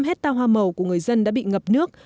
năm hecta hoa màu của người dân đã bị ngập nước